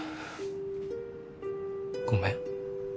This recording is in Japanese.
ごめん。